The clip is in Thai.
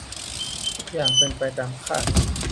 ทุกอย่างเป็นไปตามคาด